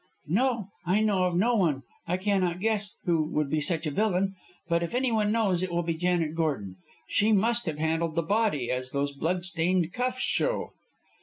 "No, I know of no one. I cannot guess who would be such a villain. But if anyone knows, it will be Janet Gordon. She must have handled the body, as those blood stained cuffs show."